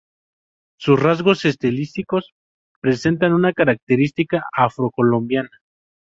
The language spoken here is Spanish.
Sus rasgos estilísticos presentan una característica afro-colombiana.